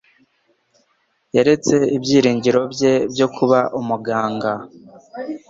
yaretse ibyiringiro bye byo kuba umuganga.